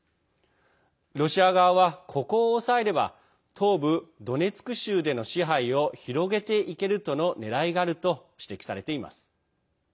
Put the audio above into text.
ロシア側は、ここを抑えれば東部ドネツク州での支配を広げていけるとのねらいがあると指摘されています。